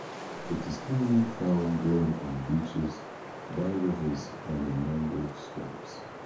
It is commonly found growing on beaches, by rivers and in mangrove swamps.